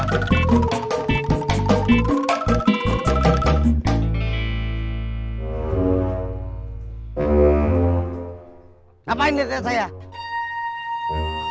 tentang penghasilan film bu ha giang